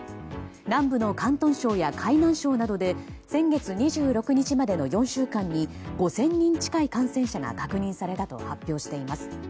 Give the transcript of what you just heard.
南部の広東省や海南省などで先月２６日までの４週間に５０００人近い感染者が確認されたと発表しています。